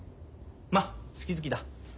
まっ好き好きだ。